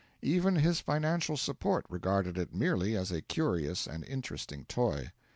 Even his financial supporter regarded it merely as a curious and interesting toy.